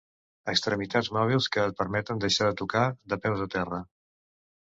Extremitats mòbils que et permeten deixar de tocar de peus a terra.